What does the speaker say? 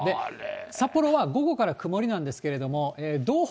札幌は午後から曇りなんですけれども、道北、